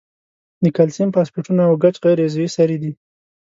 د کلسیم فاسفیټونه او ګچ غیر عضوي سرې دي.